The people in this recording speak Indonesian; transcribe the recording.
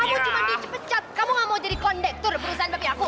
kamu cuma dipecat kamu gak mau jadi kondektur perusahaan tapi aku